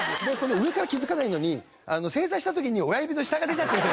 上から気づかないのに正座した時に親指の下が出ちゃってる時。